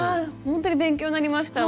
ほんとに勉強になりました。